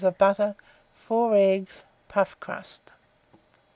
of butter, 4 eggs, puff crust.